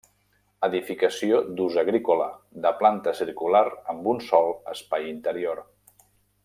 Edificació d’ús agrícola de planta circular amb un sol espai interior.